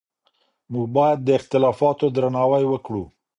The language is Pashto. موږ باید د اختلافاتو درناوی وکړو.